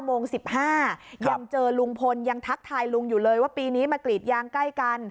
โมง๑๕ยังเจอลุงพลยังทักทายลุงอยู่เลยว่าปีนี้มากรีดยางใกล้กัน